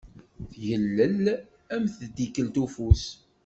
Tgellel, am tdikelt ufus.